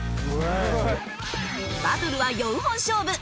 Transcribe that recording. バトルは４本勝負。